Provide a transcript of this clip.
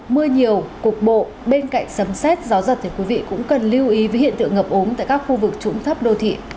mưa nhiều cục bộ bên cạnh sấm xét gió giật thì quý vị cũng cần lưu ý với hiện tượng ngập ống tại các khu vực trũng thấp đô thị